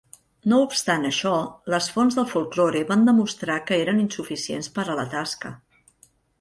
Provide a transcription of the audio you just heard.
No obstant això, les fonts del folklore van demostrar que eren insuficients per a la tasca.